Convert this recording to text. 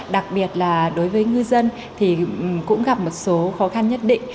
đặc biệt là đối với ngư dân thì cũng gặp một số khó khăn nhất định